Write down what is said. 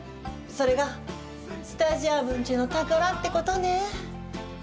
それがスタジアムンチュの宝ってことね。